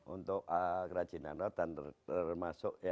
untuk kerajinan rotan termasuk